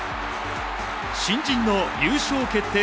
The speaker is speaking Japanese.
新人の優勝決定